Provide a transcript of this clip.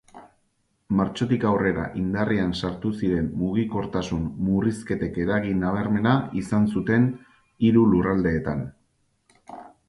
Martxotik aurrera indarrean sartu ziren mugikortasun-murrizketek eragin nabarmena izan zuten hiru lurraldeetan.